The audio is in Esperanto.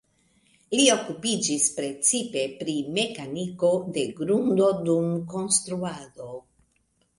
Li okupiĝis precipe pri mekaniko de grundo dum konstruado.